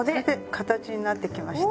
形になってきました。